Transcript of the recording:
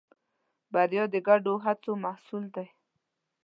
بریا د ګډو هڅو محصول ده.